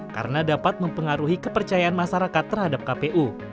karena dapat mempengaruhi kepercayaan masyarakat terhadap kpu